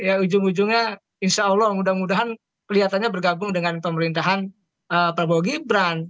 ya ujung ujungnya insya allah mudah mudahan kelihatannya bergabung dengan pemerintahan prabowo gibran